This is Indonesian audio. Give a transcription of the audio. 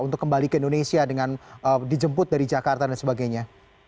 untuk kembali ke indonesia dengan dijemput dari jakarta dan sebagainya